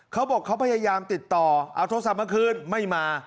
เขาบอกเขาพยายามติดต่อเอาโทรศัพท์มาคืนไม่มา